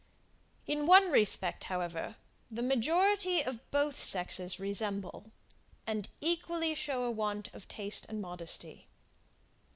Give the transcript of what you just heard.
In one respect, however, the majority of both sexes resemble, and equally show a want of taste and modesty.